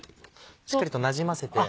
しっかりとなじませて。